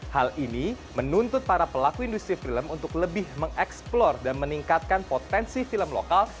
hal ini menuntut para pelaku industri film untuk lebih mengeksplor dan meningkatkan potensi film lokal